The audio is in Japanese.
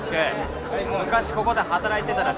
昔ここで働いてたらしいよえっ？